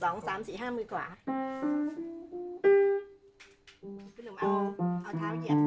คุณหนุ่มเอาเท้าเหยียบขวาสุด